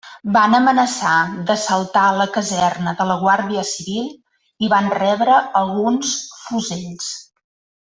Van amenaçar d'assaltar la caserna de la guàrdia civil i van rebre alguns fusells.